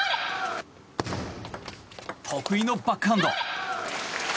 得意のバックハンド。